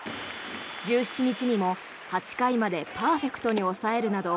１７日にも、８回までパーフェクトに抑えるなど